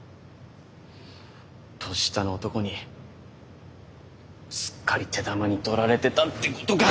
年下の男にすっかり手玉に取られてたってことか！